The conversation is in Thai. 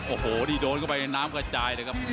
โอ้โหนี่โดนเข้าไปในน้ำกระจายเลยครับ